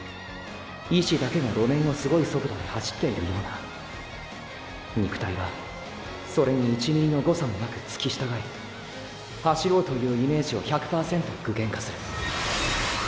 意志だけが路面をすごい速度で走っているような肉体はそれに１ｍｍの誤差もなく付き従い走ろうというイメージを１００％具現化する。